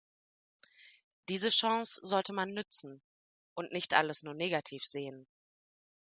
Diese Chance sollte man nützen und nicht alles nur negativ sehen.